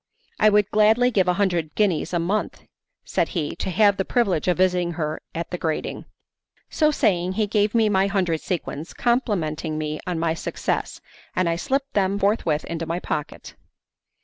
"I would gladly give a hundred guineas a month," said he, "to have the privilege of visiting her at the grating." So saying he gave me my hundred sequins, complimenting me on my success, and I slipped them forthwith into my pocket.